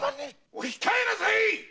お控えなされいっ‼